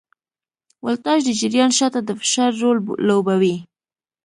ولتاژ د جریان شاته د فشار رول لوبوي.